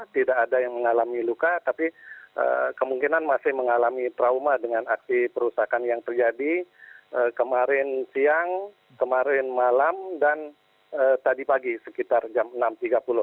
tidak ada yang mengalami luka tapi kemungkinan masih mengalami trauma dengan aksi perusahaan yang terjadi kemarin siang kemarin malam dan tadi pagi sekitar jam enam tiga puluh